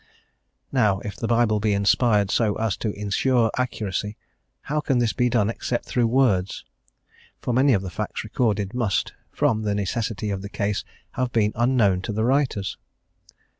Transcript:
Now, if the Bible be inspired so as to insure accuracy, how can this be done except through words; for many of the facts recorded must, from the necessity of the case, have been unknown to the writers.